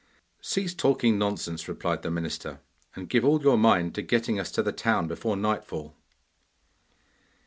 'Cease talking nonsense,' replied the minister, 'and give all your mind to getting us to the town before nightfall.